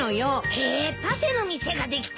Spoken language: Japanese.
へえパフェの店ができたんだ。